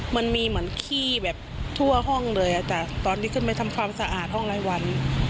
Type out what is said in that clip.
มันมีเหมือนขี้แบบทั่วห้องเลยแต่ตอนที่ขึ้นไปทำความสะอาดห้องรายวัน